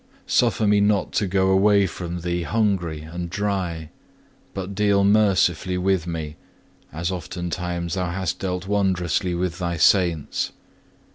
Suffer me not to go away from Thee hungry and dry; but deal mercifully with me, as oftentimes Thou hast dealt wondrously with Thy saints.